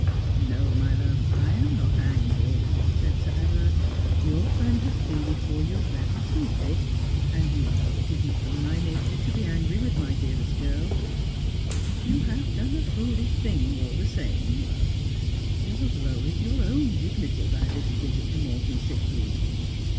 'No, my love, I am not angry,' said Sir Everard. 'Your friend has pleaded for you very sweetly, and you know it is not in my nature to be angry with my dearest girl. But you have done a foolish thing all the same, love. You have lowered your own dignity by this visit to Morton's sick room.